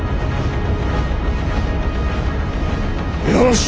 よし！